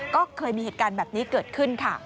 ก็เคยมีเหตุการณ์แบบนี้เกิดขึ้นค่ะ